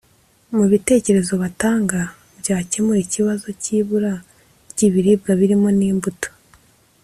Mu bitekerezo batanga byakemura ikibazo cy’ibura ry’ibiribwa birimo n’imbuto